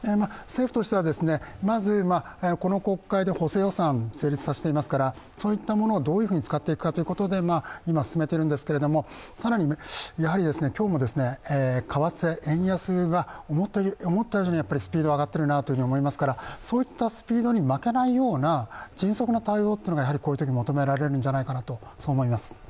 政府としては、まずこの国会で補正予算を成立させますからそういったものをどういうふうに使っていくかということで今、進めているんですけども、更に今日も為替円安が、思ったよりもスピードが上がっているなと思いますからそういったスピードに負けないような迅速な対応がこういうとき求められるんじゃないかと思います。